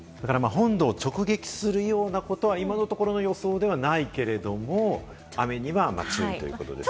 本土を直撃するような感じは今のところはないけれども、雨には注意ということですかね。